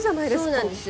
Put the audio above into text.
そうなんです。